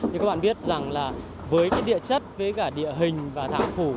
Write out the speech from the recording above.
như các bạn biết rằng là với cái địa chất với cả địa hình và tháng phủ